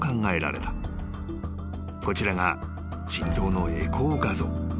［こちらが心臓のエコー画像］